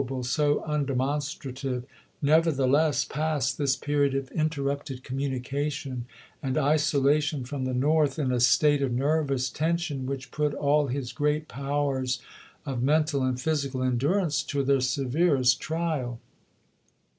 ble, so undemonstrative, nevertheless passed this period of interrupted communication and isolation from the North in a state of nervous tension which put all his great powers of mental and physical endm ance to their severest trial.